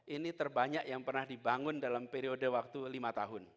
ini terbanyak yang pernah dibangun dalam periode waktu lima tahun